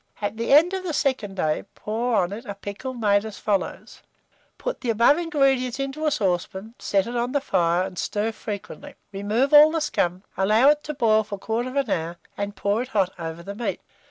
At the end of the second day, pour on it a pickle made as follows: Put the above ingredients into a saucepan, set it on the fire, and stir frequently; remove all the scum, allow it to boil for 1/4 hour, and pour it hot over the meat.